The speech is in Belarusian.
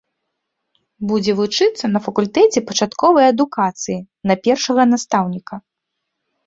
Будзе вучыцца на факультэце пачатковай адукацыі на першага настаўніка.